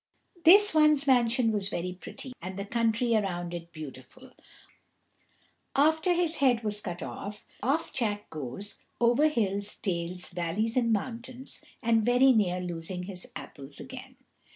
This one's mansion was very pretty, and the country around it beautiful, after his head was cut off. Off Jack goes, over hills, dales, valleys, and mountains, and very near losing his apples again.